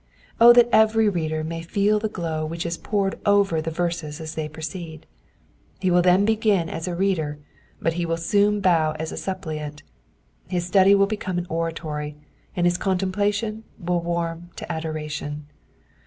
that every reader may feel the glow which is poured over the verses as they proceed: he will then begin as a reader, but he will soon bow a^ a suppliani ; his study xcill become an oratory, and his contemplation wiU toarm into adoration.